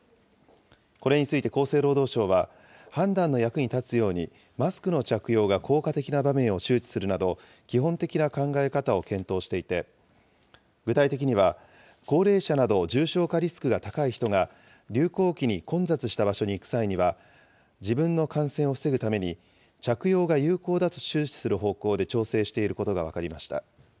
これについて厚生労働省は、判断の役に立つように、マスクの着用が効果的な場面を周知するなど、基本的な考え方を検討していて、具体的には、高齢者など重症化リスクが高い人が、流行期に混雑した場所に行く際には、自分の感染を防ぐために、着用が有効だと周知する方向で調整していることが分かりました。